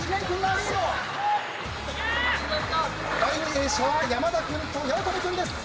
第２泳者は山田君と八乙女君です。